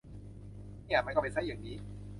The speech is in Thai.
เนี่ย มันก็เป็นซะอย่างนี้